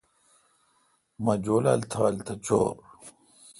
مہ جولال تھال تھ چور